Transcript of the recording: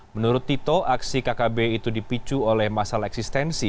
menurut tito aksi kkb itu dipicu oleh masalah eksistensi